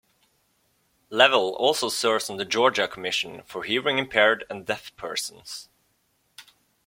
Leavell also serves on the Georgia Commission for Hearing Impaired and Deaf Persons.